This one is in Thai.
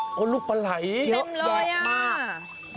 นี่ลูกปลาไหล่เยอะมาก